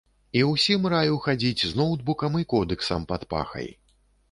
І ўсім раю хадзіць з ноўтбукам і кодэксам пад пахай.